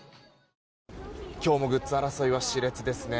今日もグッズ争いは熾烈ですね。